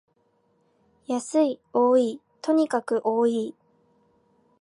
安い、多い、とにかく多い